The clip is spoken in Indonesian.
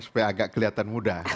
supaya agak kelihatan mudah